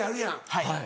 はい。